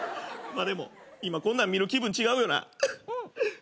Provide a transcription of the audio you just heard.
でも今こんなん見る気分違うよな。